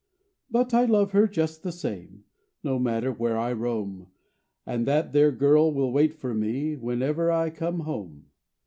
But I love her just the same, No matter where I roam; And that there girl will wait fur me Whenever I come home.